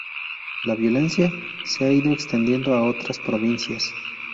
La violencia se ha ido extendiendo a otras provincias.